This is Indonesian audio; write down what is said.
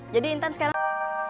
jadi intan sekarang